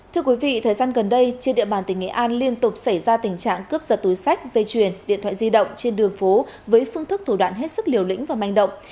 thưa quý vị thời gian gần đây trên địa bàn tỉnh nghệ an liên tục xảy ra tình trạng cướp giật túi sách dây chuyền điện thoại di động trên đường phố với phương thức thủ đoạn hết sức liều lĩnh và manh động